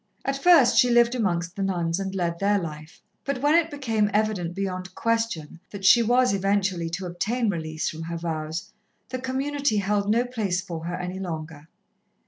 At first she lived amongst the nuns, and led their life, but when it became evident beyond question that she was eventually to obtain release from her vows, the Community held no place for her any longer.